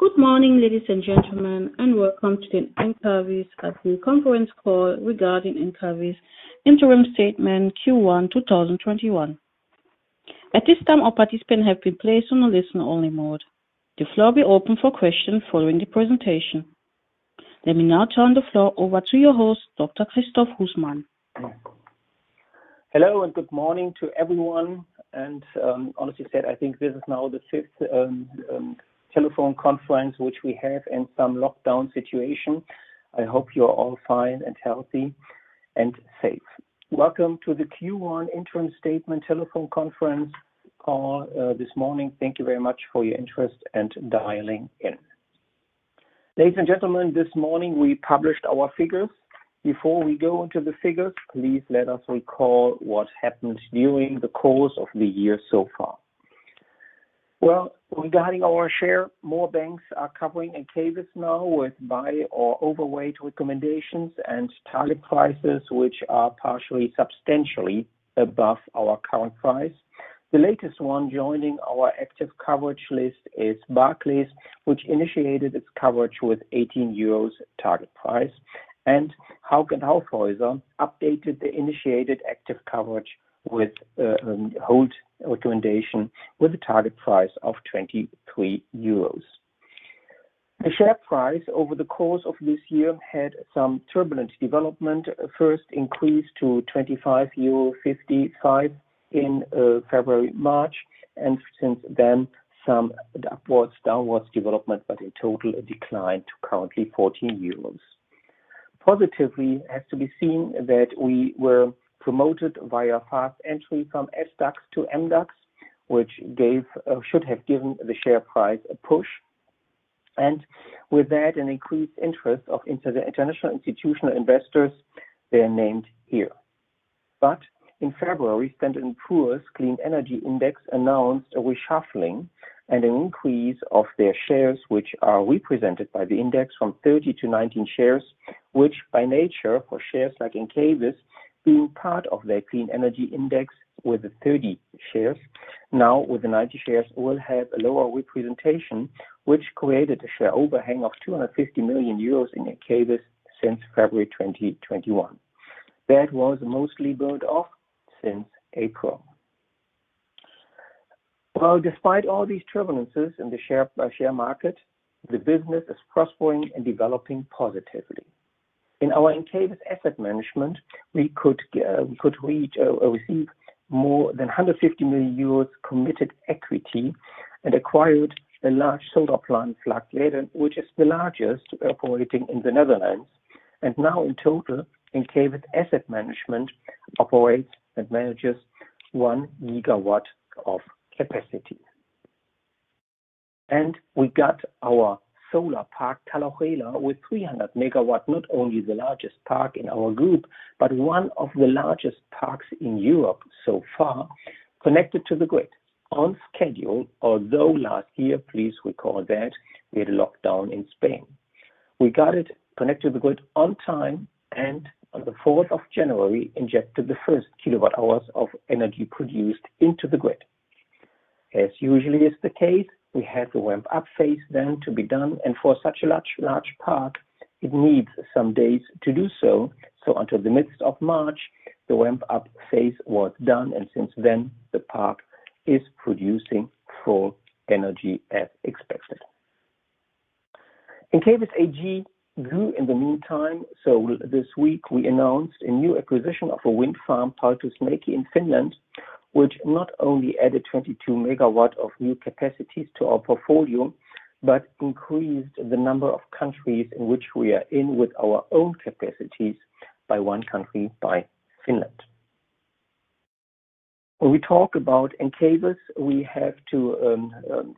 Good morning, ladies and gentlemen, and welcome to the Encavis virtual conference call regarding Encavis interim statement Q1 2021. At this time, all participants have been placed on a listen-only mode. The floor will open for questions following the presentation. Let me now turn the floor over to your host, Dr. Christoph Husmann. Hello and good morning to everyone. Honestly said, I think this is now the sixth telephone conference which we have in some lockdown situation. I hope you're all fine and healthy and safe. Welcome to the Q1 interim statement telephone conference call this morning. Thank you very much for your interest and dialing in. Ladies and gentlemen, this morning we published our figures. Before we go into the figures, please let us recall what happened during the course of the year so far. Well, regarding our share, more banks are covering Encavis now with buy or overweight recommendations and target prices, which are partially substantially above our current price. The latest one joining our active coverage list is Barclays, which initiated its coverage with 18 euros target price and Hauck & Aufhäuser updated the initiated active coverage with a hold recommendation with a target price of 23 euros. The share price over the course of this year had some turbulent development. First increased to 25.55 euro in February, March, and since then some downwards development, but in total a decline to currently 14 euros. Positively has to be seen that we were promoted via fast entry from SDAX to MDAX, which should have given the share price a push, and with that an increased interest of international institutional investors, they are named here. In February, S&P Global Clean Energy Index announced a reshuffling and an increase of their shares, which are represented by the index from 30-90 shares, which by nature for shares like Encavis, being part of their clean energy index with the 30 shares now with the 90 shares will have a lower representation, which created a share overhang of 250 million euros in Encavis since February 2021. That was mostly burned off since April. Well, despite all these turbulences in the share price share market, the business is prospering and developing positively. In our Encavis Asset Management, we could reach more than 150 million euros committed equity and acquired a large solar plant, Vlagtwedde, which is the largest operating in the Netherlands. Now in total, Encavis Asset Management operates and manages 1 GW of capacity. We got our solar park, Talayuela, with 300 MW, not only the largest park in our group, but one of the largest parks in Europe so far, connected to the grid on schedule. Although last year, please recall that we had lockdown in Spain. We got it connected to the grid on time, and on the fourth of January injected the first kilowatt hours of energy produced into the grid. As usually is the case, we had the ramp-up phase then to be done. For such a large park, it needs some days to do so. Until the midst of March, the ramp-up phase was done. Since then the park is producing full energy as expected. Encavis AG grew in the meantime. This week we announced a new acquisition of a wind farm, Paltusmäki in Finland, which not only added 22 MW of new capacities to our portfolio, but increased the number of countries in which we are in with our own capacities by one country, by Finland. When we talk about Encavis, we have to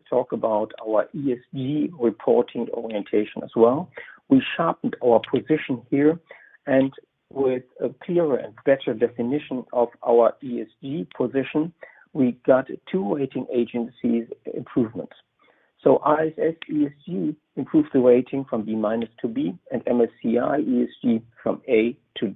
talk about our ESG reporting orientation as well. We sharpened our position here. With a clearer and better definition of our ESG position, we got two rating agencies improvements. ISS ESG improved the rating from B- to B and MSCI ESG from A to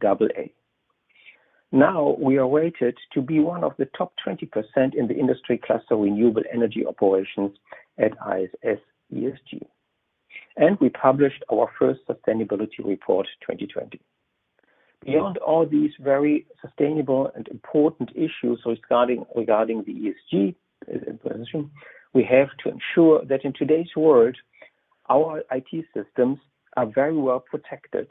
AA. We are rated to be one of the top 20% in the industry cluster renewable energy operations at ISS ESG. We published our first sustainability report 2020. Beyond all these very sustainable and important issues regarding the ESG position, we have to ensure that in today's world, our IT systems are very well protected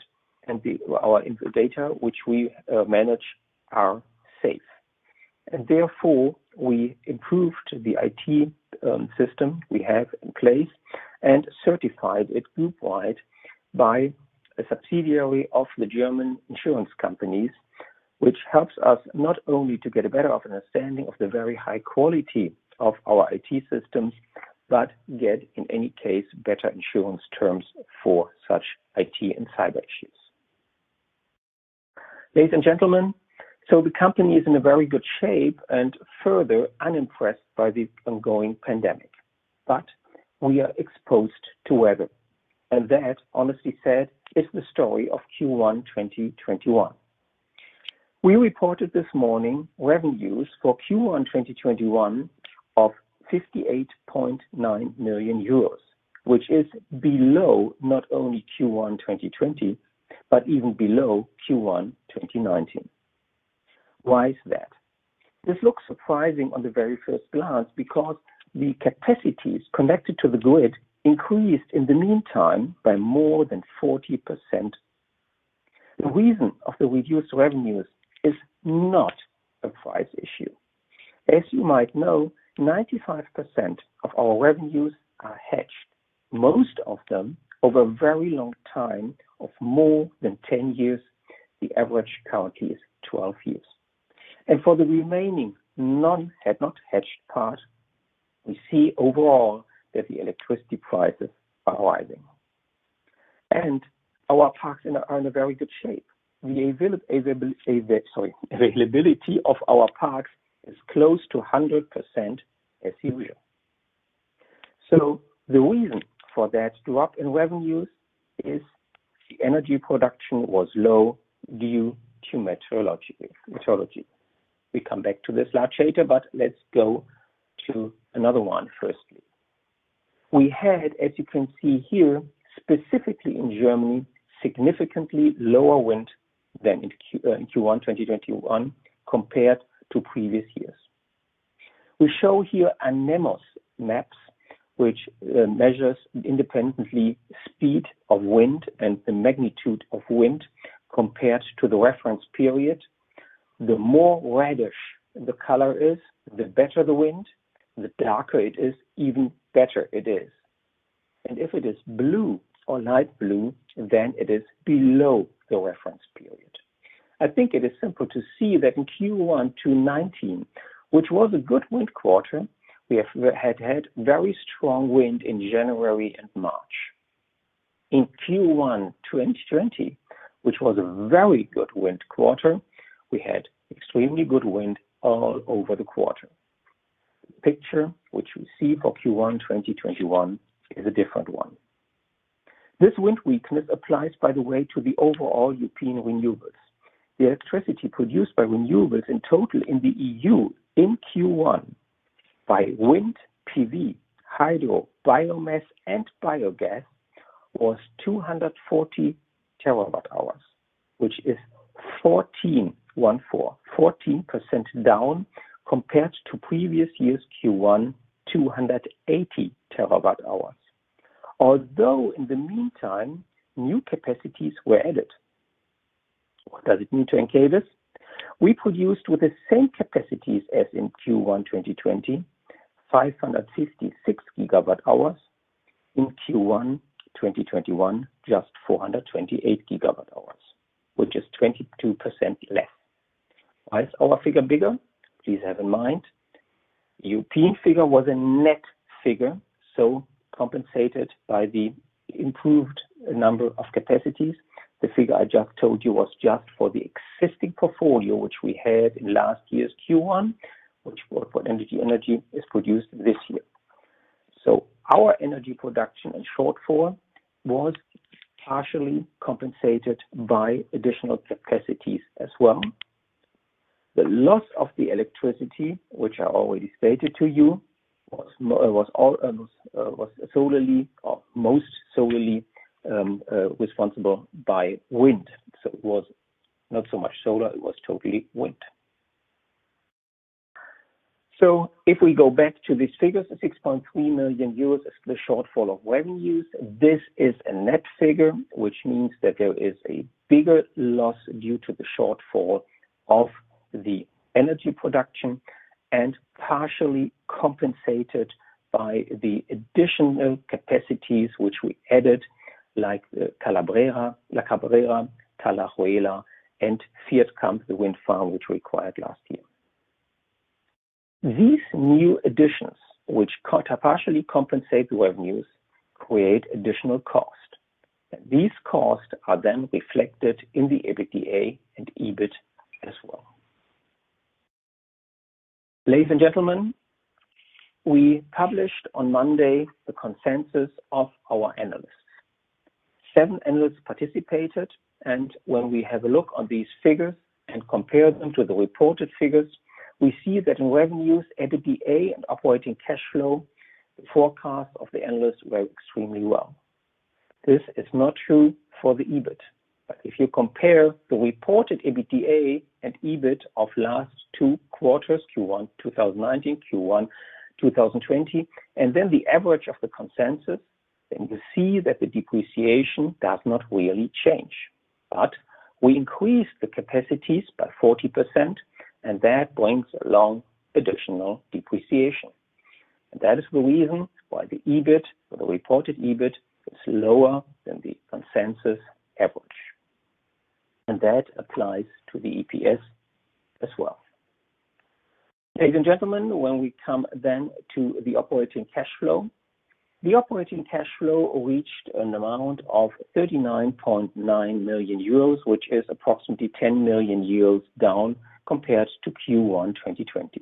and our data which we manage are safe. Therefore, we improved the IT system we have in place and certified it group wide by a subsidiary of the German insurance companies, which helps us not only to get a better understanding of the very high quality of our IT systems, but get, in any case, better insurance terms for such IT and cyber issues. Ladies and gentlemen, the company is in a very good shape and further unimpressed by this ongoing pandemic. We are exposed to weather, and that, honestly said, is the story of Q1 2021. We reported this morning revenues for Q1 2021 of 58.9 million euros, which is below not only Q1 2020, but even below Q1 2019. Why is that? This looks surprising on the very first glance because the capacities connected to the grid increased in the meantime by more than 40%. The reason of the reduced revenues is not a price issue. As you might know, 95% of our revenues are hedged, most of them over a very long time of more than 10 years. The average currently is 12 years. For the remaining non-hedged part, we see overall that the electricity prices are rising and our parks are in a very good shape. The availability of our parks is close to 100% as usual. The reason for that drop in revenues is the energy production was low due to meteorology. We come back to this chart later, let's go to another one first. We had, as you can see here, specifically in Germany, significantly lower wind than in Q1 2021 compared to previous years. We show here anemos maps, which measures independently speed of wind and the magnitude of wind compared to the reference period. The more reddish the color is, the better the wind. The darker it is, even better it is. If it is blue or light blue, it is below the reference period. I think it is simple to see that in Q1 2019, which was a good wind quarter, we have had very strong wind in January and March. In Q1 2020, which was a very good wind quarter, we had extremely good wind all over the quarter. The picture which you see for Q1 2021 is a different one. This wind weakness applies, by the way, to the overall European renewables. The electricity produced by renewables in total in the EU in Q1 by wind PV, hydro, biomass, and biogas was 240 TWh, which is 14%, 1-4, 14% down compared to previous years' Q1, 280 TWh. Although in the meantime, new capacities were added. What does it mean to Encavis? We produced with the same capacities as in Q1 2020, 556 GWh. In Q1 2021, just 428 GWh, which is 22% less. Why is our figure bigger? Please have in mind, the European figure was a net figure, so compensated by the improved number of capacities. The figure I just told you was just for the existing portfolio, which we had in last year's Q1, which were for energy produced this year. Our energy production and shortfall was partially compensated by additional capacities as well. The loss of the electricity, which I already stated to you, was mostly responsible by wind. It was not so much solar, it was totally wind. If we go back to these figures, 6.3 million euros is the shortfall of revenues. This is a net figure, which means that there is a bigger loss due to the shortfall of the energy production and partially compensated by the additional capacities which we added, like the La Cabrera, Talayuela, and Fietknap, the wind farm which we acquired last year. These new additions, which partially compensate the revenues, create additional cost. These costs are then reflected in the EBITDA and EBIT as well. Ladies and gentlemen, we published on Monday the consensus of our analysts. Seven analysts participated, and when we have a look on these figures and compare them to the reported figures, we see that in revenues, EBITDA, and operating cash flow, the forecast of the analysts were extremely well. This is not true for the EBIT. If you compare the reported EBITDA and EBIT of last two quarters, Q1 2019, Q1 2020, and then the average of the consensus, then we see that the depreciation does not really change. We increased the capacities by 40% and that brings along additional depreciation. That is the reason why the EBIT or the reported EBIT is lower than the consensus average. That applies to the EPS as well. Ladies and gentlemen, we come then to the operating cash flow. The operating cash flow reached an amount of 39.9 million euros, which is approximately 10 million euros down compared to Q1 2020.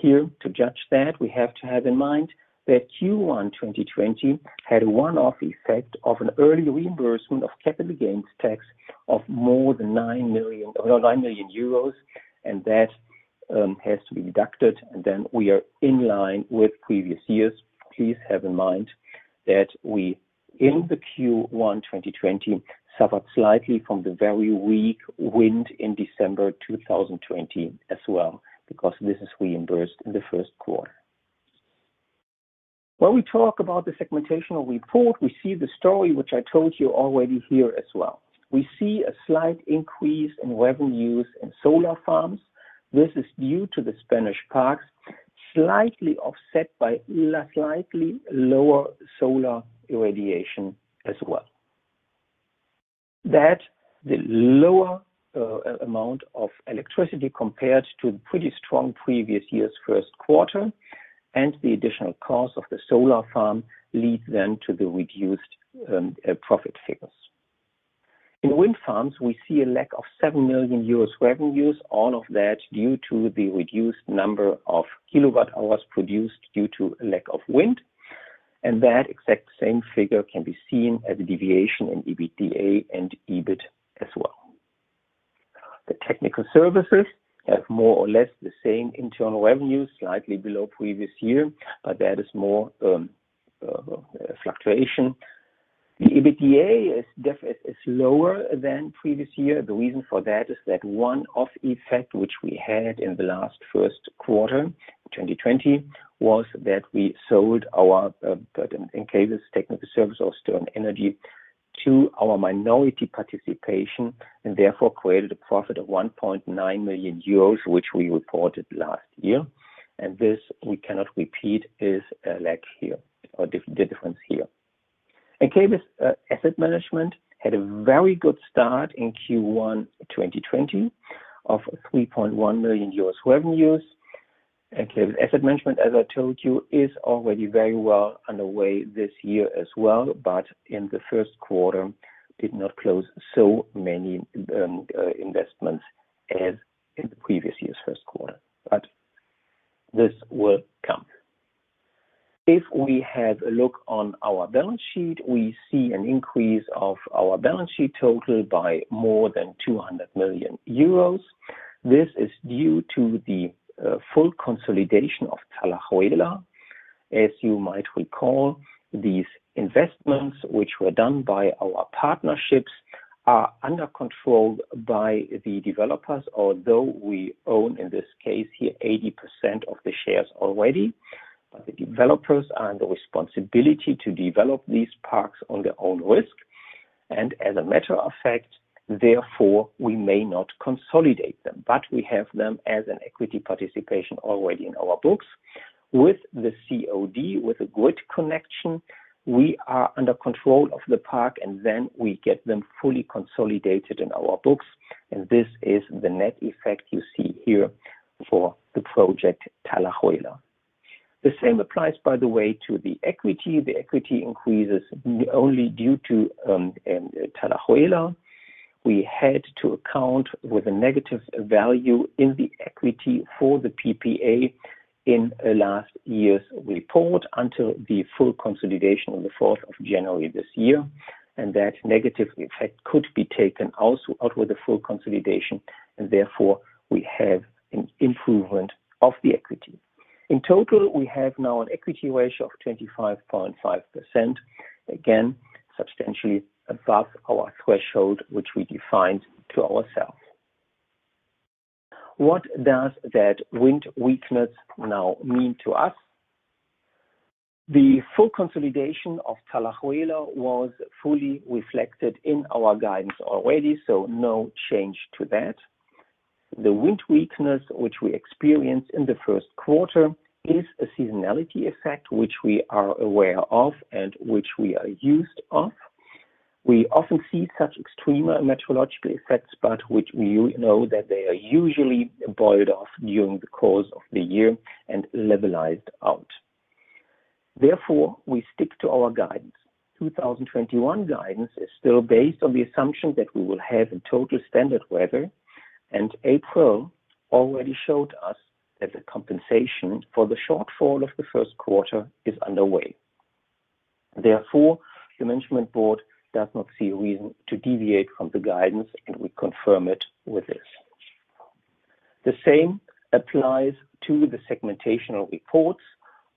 Here to judge that, we have to have in mind that Q1 2020 had a one-off effect of an early reimbursement of capital gains tax of more than 9 million, that has to be deducted. Then we are in line with previous years. Please have in mind that we, in the Q1 2020, suffered slightly from the very weak wind in December 2020 as well, because this is reimbursed in the first quarter. We talk about the segmentation report, we see the story which I told you already here as well. We see a slight increase in revenues in solar farms. This is due to the Spanish parks, slightly offset by slightly lower solar irradiation as well. The lower amount of electricity compared to the pretty strong previous year's first quarter, and the additional cost of the solar farm lead then to the reduced profit figures. In wind farms, we see a lack of 7 million euros revenues, all of that due to the reduced number of kilowatt hours produced due to a lack of wind, and that exact same figure can be seen as a deviation in EBITDA and EBIT as well. The technical services have more or less the same internal revenues, slightly below previous year. That is more a fluctuation. The EBITDA is lower than previous year. The reason for that is that one-off effect, which we had in the last first quarter 2020, was that we sold our Encavis Technical Services to Stern Energy to our minority participation, and therefore created a profit of 1.9 million euros, which we reported last year. This we cannot repeat, is a lack here or the difference here. Encavis Asset Management had a very good start in Q1 2020 of 3.1 million euros revenues. Encavis Asset Management, as I told you, is already very well underway this year as well, but in the first quarter, did not close so many investments as in the previous year's first quarter. This will come. If we have a look on our balance sheet, we see an increase of our balance sheet total by more than 200 million euros. This is due to the full consolidation of Talayuela. As you might recall, these investments, which were done by our partnerships, are under control by the developers. Although we own, in this case here, 80% of the shares already, the developers are under responsibility to develop these parks on their own risk and as a matter of fact, therefore, we may not consolidate them. We have them as an equity participation already in our books. With the COD, with a grid connection, we are under control of the park, and then we get them fully consolidated in our books, and this is the net effect you see here for the project Talayuela. The same applies, by the way, to the equity. The equity increases only due to Talayuela. We had to account with a negative value in the equity for the PPA in last year's report until the full consolidation on the 4th of January this year, and that negative effect could be taken also out with the full consolidation, and therefore we have an improvement of the equity. In total, we have now an equity ratio of 25.5%, again, substantially above our threshold, which we defined to ourselves. What does that wind weakness now mean to us? The full consolidation of Talayuela was fully reflected in our guidance already, so no change to that. The wind weakness, which we experienced in the first quarter, is a seasonality effect, which we are aware of and which we are used of. We often see such extreme meteorological effects, but which we know that they are usually boiled off during the course of the year and levelized out. Therefore, we stick to our guidance. 2021 guidance is still based on the assumption that we will have a total standard weather. April already showed us that the compensation for the shortfall of the first quarter is underway. Therefore, the management board does not see a reason to deviate from the guidance. We confirm it with this. The same applies to the segmentation reports.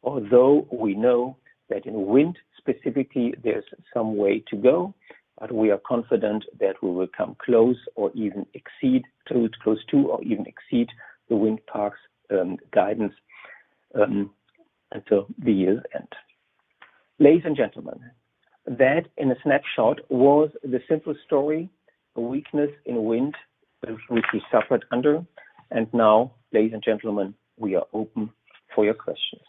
Although we know that in wind specifically, there's some way to go, we are confident that we will come close to or even exceed the wind parks guidance until the year's end. Ladies and gentlemen, that in a snapshot was the simple story, a weakness in wind, which we suffered under. Now, ladies and gentlemen, we are open for your questions.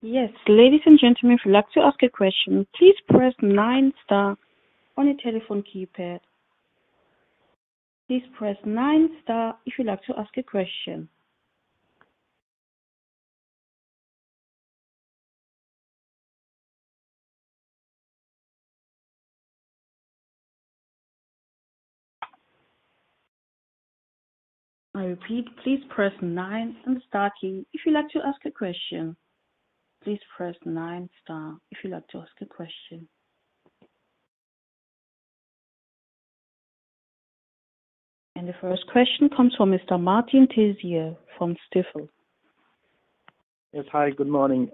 Yes. Ladies and gentlemen, if you'd like to ask a question, please press nine star on your telephone keypad. Please press nine star if you'd like to ask a question. I repeat, please press nine star two if you'd like to ask a question. Please press nine star if you'd like to ask a question. The first question comes from Mr. Martin Tessier from Stifel. Yes. Hi, good morning.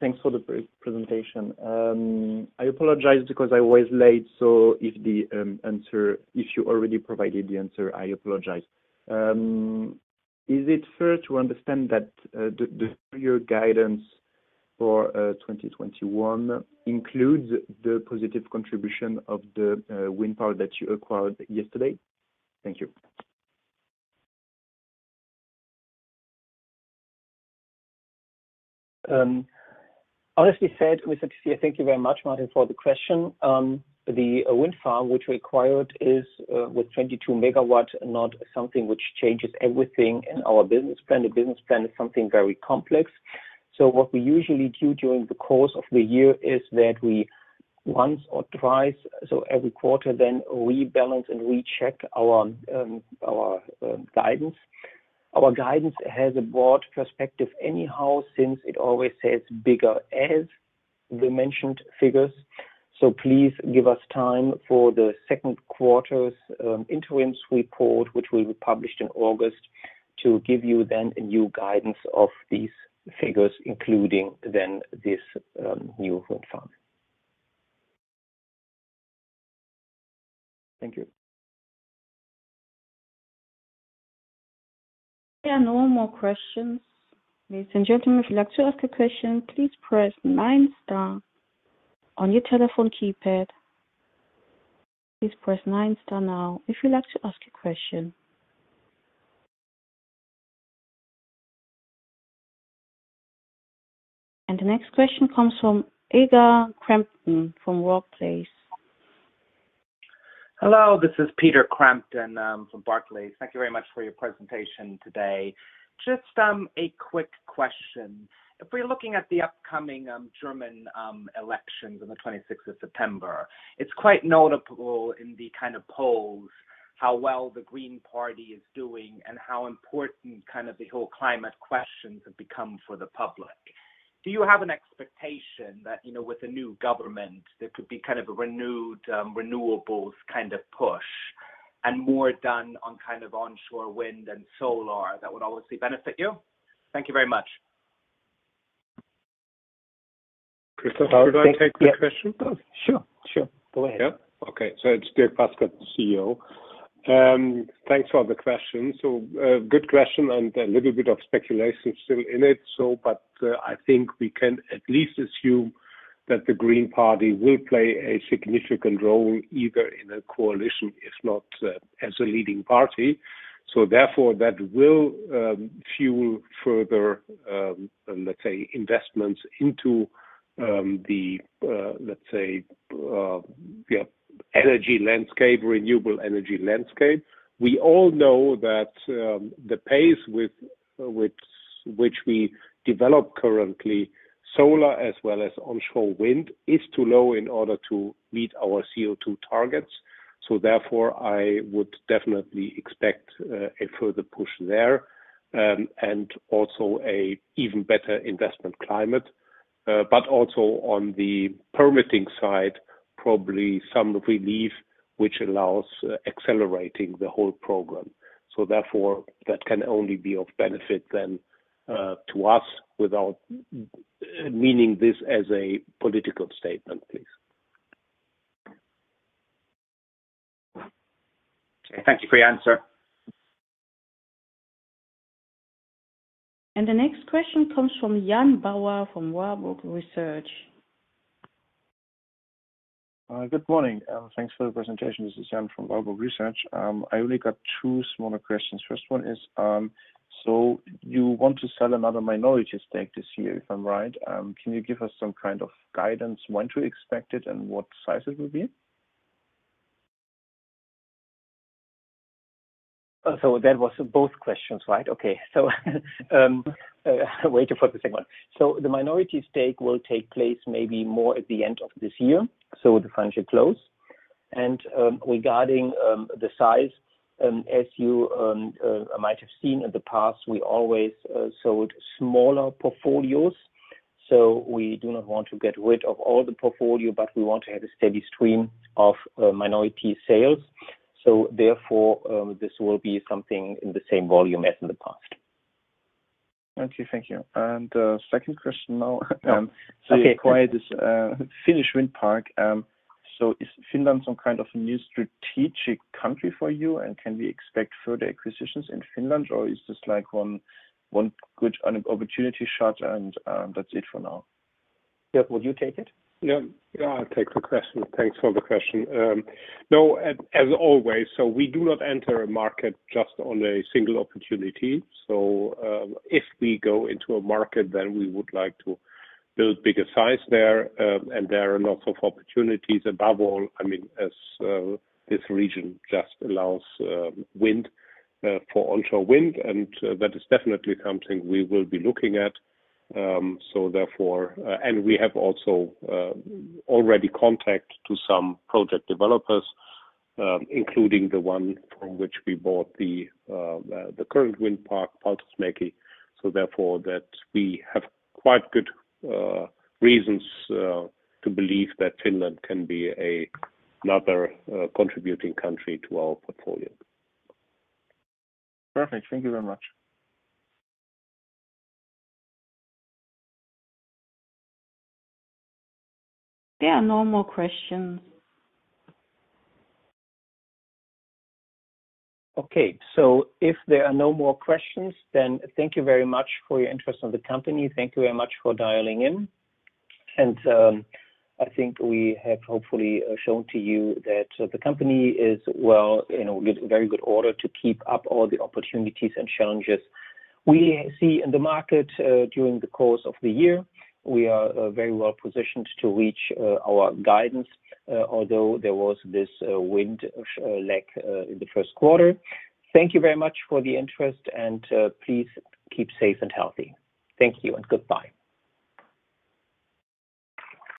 Thanks for the presentation. I apologize because I was late. If you already provided the answer, I apologize. Is it fair to understand that the full year guidance for 2021 includes the positive contribution of the wind power that you acquired yesterday? Thank you. Honestly said, Mr. Martin Tessier, thank you very much, Martin, for the question. The wind farm which we acquired is with 22 MW, not something which changes everything in our business plan. The business plan is something very complex. What we usually do during the course of the year is that we, once or twice, so every quarter then rebalance and recheck our guidance. Our guidance has a broad perspective anyhow, since it always says bigger, as the mentioned figures. Please give us time for the second quarter's interim report, which will be published in August, to give you then a new guidance of these figures, including then this new wind farm. Thank you. There are no more questions. Ladies and gentlemen, if you would like to ask a question, please press nine star on your telephone keypad. Please press nine star now if you'd like to ask a question. The next question comes from Peter Crampton from Barclays. Hello, this is Peter Crampton from Barclays. Thank you very much for your presentation today. Just a quick question. If we're looking at the upcoming German elections on the 26th of September, it's quite notable in the kind of polls, how well the Green Party is doing and how important the whole climate questions have become for the public. Do you have an expectation that, with a new government, there could be a renewed renewables kind of push and more done on onshore wind and solar that would obviously benefit you? Thank you very much. Christoph Husmann, do you want to take the question? Sure. Go ahead. Okay. It's Dierk Paskert, Chief Executive Officer. Thanks for the question. Good question and a little bit of speculation still in it. I think we can at least assume that the Green Party will play a significant role, either in a coalition, if not as a leading party. Therefore, that will fuel further, let's say, investments into the energy landscape, renewable energy landscape. We all know that the pace with which we develop currently, solar as well as onshore wind, is too low in order to meet our CO2 targets. Therefore, I would definitely expect a further push there, and also an even better investment climate. Also on the permitting side, probably some relief, which allows accelerating the whole program. Therefore, that can only be of benefit then to us, without meaning this as a political statement, please. Thank you for your answer. The next question comes from Jan Bauer from Warburg Research. Good morning. Thanks for the presentation. This is Jan from Warburg Research. I only got two smaller questions. First one is, you want to sell another minority stake this year, if I'm right. Can you give us some kind of guidance when to expect it and what size it will be? That was both questions, right? Okay. Wait for the second one. The minority stake will take place maybe more at the end of this year, so the financial close. Regarding the size, as you might have seen in the past, we always sold smaller portfolios. We do not want to get rid of all the portfolio, but we want to have a steady stream of minority sales. Therefore, this will be something in the same volume as in the past. Okay. Thank you. Second question now. Yeah. Okay. You acquired this Finnish wind park. Is Finland some kind of a new strategic country for you, and can we expect further acquisitions in Finland, or is this like one good opportunity shot and that's it for now? Yeah. Will you take it? Yeah. I'll take the question. Thanks for the question. No, as always, we do not enter a market just on a single opportunity. If we go into a market, then we would like to build bigger size there, and there are a lot of opportunities above all, as this region just allows wind for onshore wind, and that is definitely something we will be looking at. Therefore, we have also already contact to some project developers, including the one from which we bought the current wind park, Paltusmäki. Therefore, that we have quite good reasons to believe that Finland can be another contributing country to our portfolio. Perfect. Thank you very much. There are no more questions. Okay. If there are no more questions, thank you very much for your interest in the company. Thank you very much for dialing in. I think we have hopefully shown to you that the company is well in a very good order to keep up all the opportunities and challenges we see in the market during the course of the year. We are very well positioned to reach our guidance, although there was this wind lack in the first quarter. Thank you very much for the interest, and please keep safe and healthy. Thank you and goodbye.